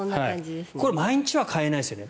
これ、毎日は替えないですよね。